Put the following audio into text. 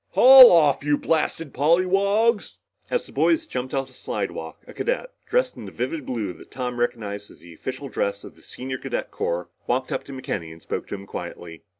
"Haul off, you blasted polliwogs!" As the boys jumped off the slidewalk, a cadet, dressed in the vivid blue that Tom recognized as the official dress of the Senior Cadet Corps, walked up to McKenny and spoke to him quietly.